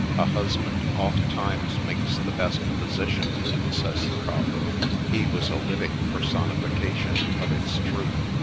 ' A husband ofttimes makes the best physician,' says the proverb ; he was a living personification of its truth.